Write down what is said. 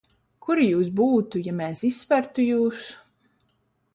Kur jūs būtu, ja mēs izspertu jūs?